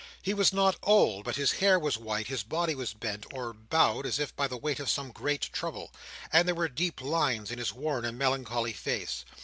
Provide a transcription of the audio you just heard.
He was not old, but his hair was white; his body was bent, or bowed as if by the weight of some great trouble: and there were deep lines in his worn and melancholy face.